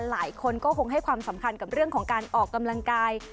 หลายคนก็คงให้ความสำคัญกับเรื่องของการออกกำลังกาย